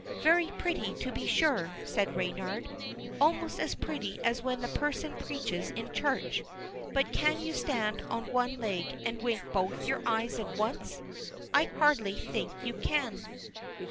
"Very pretty, to be sure," said Reynard. "Almost as pretty as when the parson preaches in church; but can you stand on one leg and wink both your eyes at once? I hardly think you can."